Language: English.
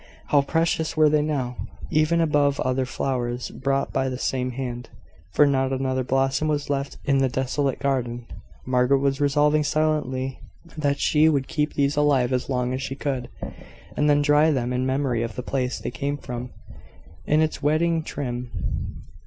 How precious were they now, even above other flowers brought by the same hand for not another blossom was left in the desolate garden! Margaret was resolving silently that she would keep these alive as long as she could, and then dry them in memory of the place they came from, in its wedding trim.